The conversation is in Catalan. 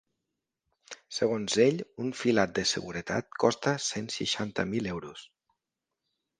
Segons ell, un filat de seguretat costa cent seixanta mil euros.